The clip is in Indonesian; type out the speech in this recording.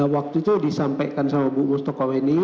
waktu itu disampaikan sama bu mustokoweni